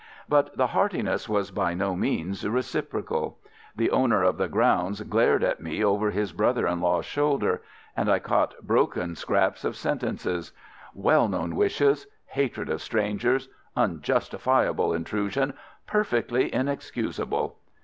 But the heartiness was by no means reciprocal. The owner of the grounds glared at me over his brother in law's shoulder, and I caught broken scraps of sentences—"well known wishes ... hatred of strangers ... unjustifiable intrusion ... perfectly inexcusable."